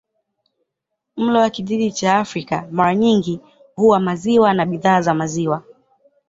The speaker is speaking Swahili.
Mlo wa kijiji cha Afrika mara nyingi huwa maziwa na bidhaa za maziwa.